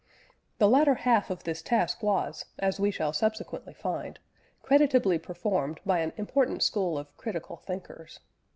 The latter half of this task was, as we shall subsequently find, creditably performed by an important school of critical thinkers.